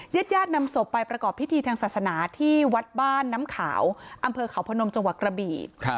ญาติญาตินำศพไปประกอบพิธีทางศาสนาที่วัดบ้านน้ำขาวอำเภอเขาพนมจังหวัดกระบี่